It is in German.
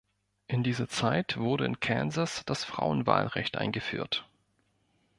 In dieser Zeit wurde in Kansas das Frauenwahlrecht eingeführt.